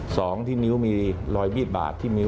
สองมีรอยบีชบาดที่มิ้ว